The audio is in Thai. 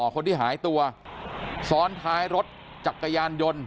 คนที่หายตัวซ้อนท้ายรถจักรยานยนต์